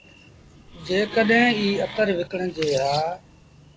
جيڪڏهينٚ ايٚ اتر وڪڻجي هآ